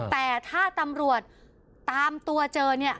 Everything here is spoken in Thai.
แต่ถ้าตำรวจตามตัวเจอเนี่ย